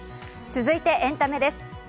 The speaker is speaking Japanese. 続いてエンタメです。